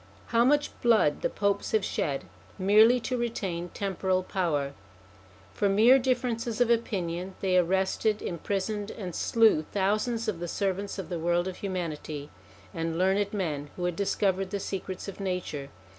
How much blood the Popes have shed merely to retain temporal power ! For mere differences of opinion they arrested, imprisoned and slew thousands of the servants of the world of humanity and learned men who had discovered the secrets of nature.